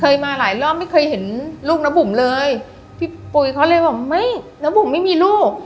มาหลายรอบไม่เคยเห็นลูกน้าบุ๋มเลยพี่ปุ๋ยเขาเลยบอกไม่น้าบุ๋มไม่มีลูก